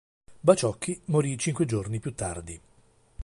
Baciocchi morì cinque giorni più tardi.